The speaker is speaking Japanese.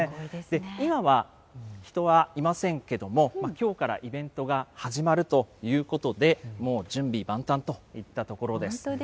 今は人はいませんけども、きょうからイベントが始まるということで、もう準備万端といったところです。